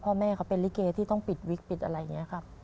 พ่อแม่เขาเป็นลิเกที่ต้องปิดวิกปิดอะไรอย่างนี้ครับ